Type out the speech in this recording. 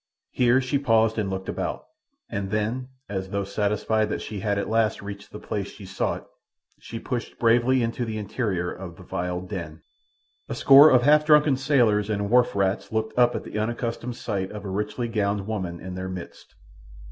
Here she paused and looked about, and then as though satisfied that she had at last reached the place she sought, she pushed bravely into the interior of the vile den. A score of half drunken sailors and wharf rats looked up at the unaccustomed sight of a richly gowned woman in their midst.